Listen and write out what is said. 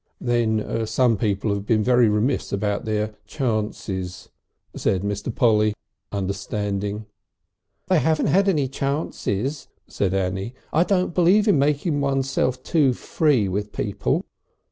"Then some people have been very remiss about their chances," said Mr. Polly, understanding. "They haven't had any chances," said Annie. "I don't believe in making oneself too free with people."